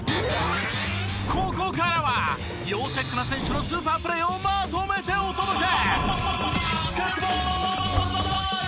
ここからは要チェックな選手のスーパープレーをまとめてお届け！